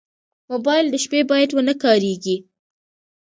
موبایل د شپې باید ونه کارېږي.